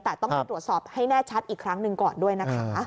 แต่ต้องไปตรวจสอบให้แน่ชัดอีกครั้งหนึ่งก่อนด้วยนะคะ